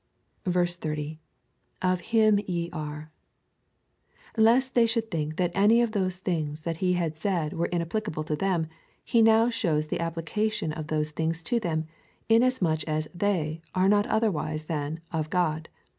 30. Of him are ye. Lest they should think that any of those things that he had said were inapplicable to them, he now shows the application of those things to them, inasmuch as they are not otherwise tlian of God.